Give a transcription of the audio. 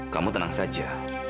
kamu tenang saja